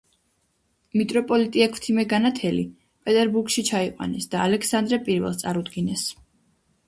მიტროპოლიტი ექვთიმე გაენათელი პეტერბურგში ჩაიყვანეს და ალექსანდრე პირველს წარუდგინეს